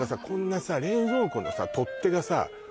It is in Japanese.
こんなさ冷蔵庫のさ取っ手がさ